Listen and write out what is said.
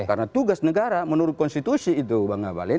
karena tugas negara menurut konstitusi itu bang habalin